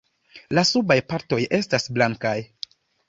La subaj partoj estas blankaj.